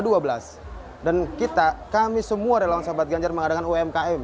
dan kita kami semua relawan sahabat ganjar mengadakan umkm